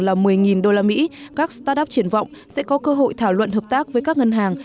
là một mươi usd các start up triển vọng sẽ có cơ hội thảo luận hợp tác với các ngân hàng